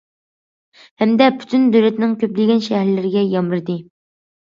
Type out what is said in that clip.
ھەمدە پۈتۈن دۆلەتنىڭ كۆپلىگەن شەھەرلىرىگە يامرىدى.